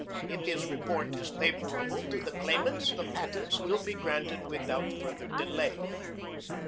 If his report is favorable to the claimants, the patents will be granted without further delay.